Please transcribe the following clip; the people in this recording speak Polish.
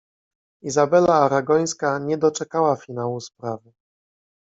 Izabela Aragońska nie doczekała finału sprawy.